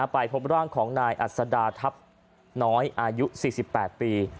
ไปพบร่างของนายอัศดาทัพน้อยอายุ๔๘ปี